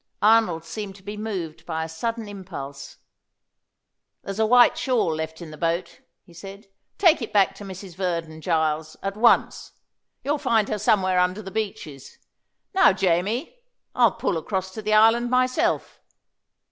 Arnold seemed to be moved by a sudden impulse. "There's a white shawl left in the boat," he said. "Take it back to Mrs. Verdon, Giles, at once. You'll find her somewhere under the beeches. Now, Jamie, I'll pull across to the island myself.